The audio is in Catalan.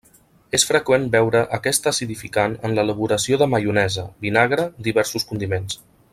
És freqüent veure aquest acidificant en l'elaboració de maionesa, vinagre, diversos condiments.